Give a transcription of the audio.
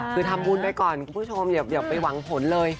คือทำบุญไปก่อนคุณผู้ชมอย่าไปหวังผลเลย